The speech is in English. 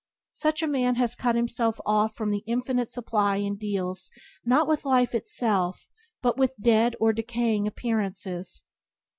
Such a man has cut himself off from the infinite supply and deals, not with life itself, but with dead or decaying appearances.